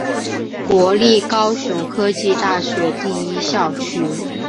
国立高雄科技大学第一校区。